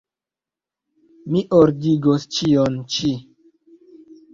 Mi ordigos ĉion ĉi.